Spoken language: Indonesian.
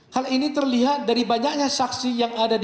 hal ini terlihat dari banyaknya saksi yang ada di